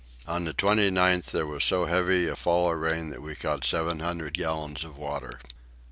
On the 29th there was so heavy a fall of rain that we caught seven hundred gallons of water.